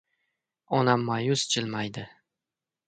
Onam ma’yus jilmaydi: